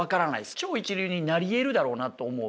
超一流になりえるだろうなと思う。